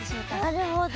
なるほど！